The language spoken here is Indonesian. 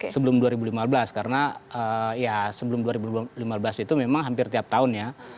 sebelum dua ribu lima belas karena ya sebelum dua ribu lima belas itu memang hampir tiap tahun ya